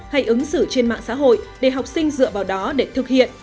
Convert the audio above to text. hay ứng xử trên mạng xã hội để học sinh dựa vào đó để thực hiện